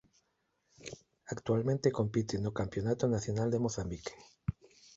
Actualmente compite no Campionato Nacional de Mozambique.